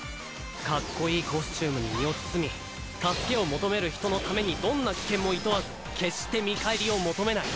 かっこいいコスチュームに身を包み助けを求める人のためにどんな危険もいとわず決して見返りを求めない。